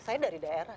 saya dari daerah